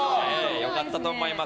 良かったと思います。